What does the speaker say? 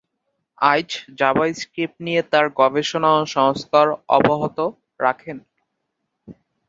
আইচ JavaScript নিয়ে তার গবেষণা ও সংস্কার অব্যাহত রাখেন।